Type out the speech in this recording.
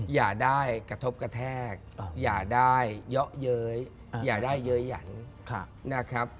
อย่าได้กระทบกระแทกอย่าได้เยอะเย้ยอย่าได้เย้ยหยันนะครับ